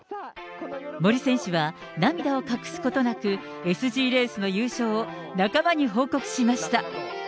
森選手は涙を隠すことなく、ＳＧレースの優勝を仲間に報告しました。